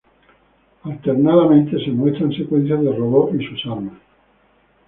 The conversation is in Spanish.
Alternadamente se muestran secuencias de robots y sus armas.